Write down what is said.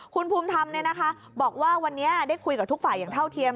คุณภูมิธรรมบอกว่าวันนี้ได้คุยกับทุกฝ่ายอย่างเท่าเทียม